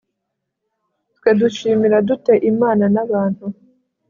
twe dushimira dute imana n'abantu